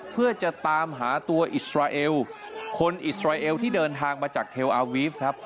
เพื่อจะตามหาตัวอิสราเอลคนอิสราเอลที่เดินทางมาจากเทลอาวีฟครับ